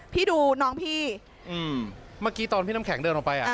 เมื่อกี้ตอนพี่น้ำแข็งเดินออกไป